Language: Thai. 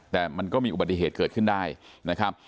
แต่มันก็มีอุบัติเหตุเกิดขึ้นได้นะครับ